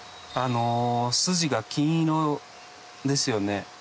筋が金色ですよね。